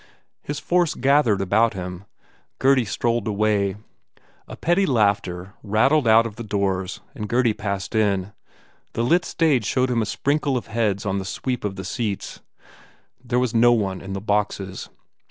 His force gath ered about him. Gurdy strolled away. A petty laughter rattled out of the doors and Gurdy passed in. The lit stage showed him a sprinkle of heads on the sweep of the seats. There was no one in the boxes.